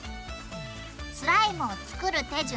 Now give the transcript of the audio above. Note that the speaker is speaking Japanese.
スライムを作る手順